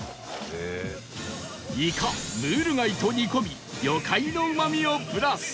イカムール貝と煮込み魚介のうまみをプラス